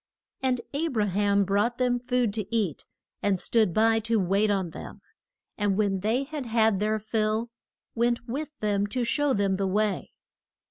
And A bra ham brought them food to eat, and stood by to wait on them; and when they had had their fill, went with them to show them the way.